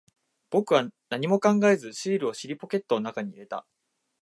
僕は何も考えず、シールを尻ポケットの中に入れた。